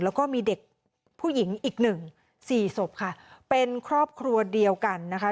แล้วก็มีเด็กผู้หญิงอีกหนึ่งสี่ศพค่ะเป็นครอบครัวเดียวกันนะคะ